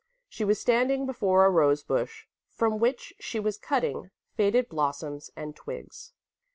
She was standing before a rose bush from which she was cutting faded blossoms and twigs.